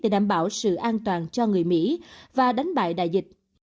để đảm bảo sự an toàn cho người mỹ và đánh bại đại dịch